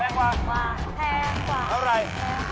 แพงกว่าไม่กว่าพี่ตี